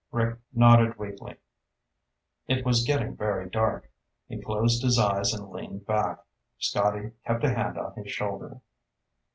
Rick nodded weakly. It was getting very dark. He closed his eyes and leaned back. Scotty kept a hand on his shoulder.